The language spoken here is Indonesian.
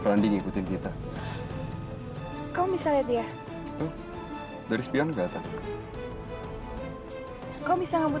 kondisi ikuti kita kau bisa lihat ya dari spion ke atas kau bisa ngambil